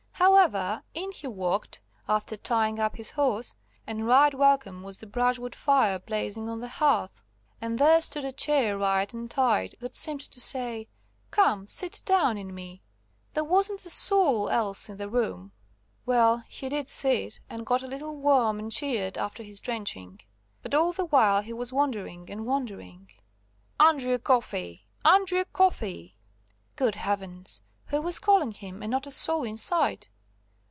However, in he walked, after tying up his horse, and right welcome was the brushwood fire blazing on the hearth. And there stood a chair right and tight, that seemed to say, "Come, sit down in me." There wasn't a soul else in the room. Well, he did sit, and got a little warm and cheered after his drenching. But all the while he was wondering and wondering. "Andrew Coffey! Andrew Coffey!" Good heavens! who was calling him, and not a soul in sight?